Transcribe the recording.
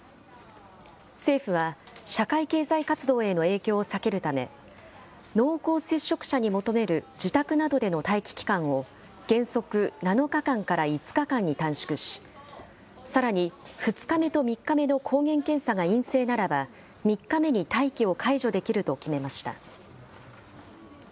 政府は社会経済活動への影響を避けるため、濃厚接触者に求める自宅などでの待機期間を、原則７日間から５日間に短縮し、さらに２日目と３日目の抗原検査が陰性ならば、３日目に待機を解除できると決めました。